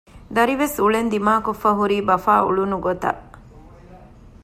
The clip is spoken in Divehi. ދަރިވެސް އުޅެން ދިމާކޮށްފައި ހުރީ ބަފާ އުޅުނު ގޮތަށް